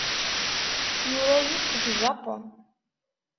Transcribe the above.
Yura-iyi-d seg Japun.